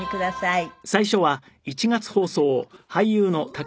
はい。